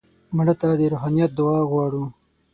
مړه ته د روحانیت دعا غواړو